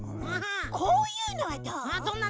こういうのはどう？